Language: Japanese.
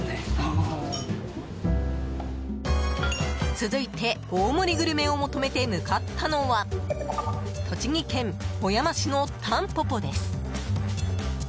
続いて、大盛りグルメを求めて向かったのは栃木県小山市のたんぽぽです。